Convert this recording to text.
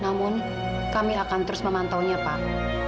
namun kami akan terus memantaunya pak